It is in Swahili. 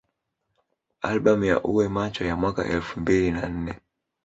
Albamu ya Uwe Macho ya mwaka elfu mbili na nne